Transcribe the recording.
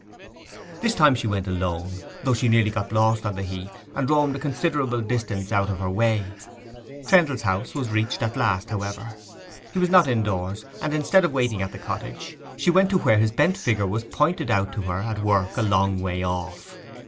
This time she went alone, though she nearly got lost on the heath, and roamed a considerable distance out of her way. Trendle's house was reached at last, however: he was not indoors, and instead of waiting at the cottage, she went to where his bent figure was pointed out to her at work a long way off.